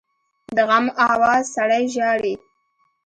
د غم آواز سړی ژاړي